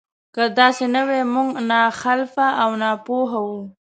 که داسې نه وي موږ ناخلفه او ناپوهه وو.